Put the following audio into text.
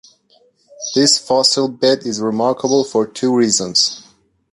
This fossil bed is remarkable for two reasons.